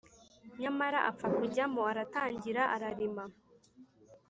nyamara apfa kujyamo aratangira ararima.